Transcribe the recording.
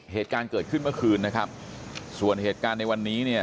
เหตุการณ์เกิดขึ้นเมื่อคืนนะครับส่วนเหตุการณ์ในวันนี้เนี่ย